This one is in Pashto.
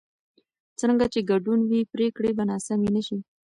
څرنګه چې ګډون وي، پرېکړې به ناسمې نه شي.